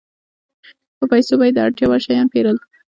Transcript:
په پیسو به یې د اړتیا وړ شیان پېرل